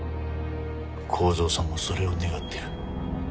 幸三さんもそれを願ってる。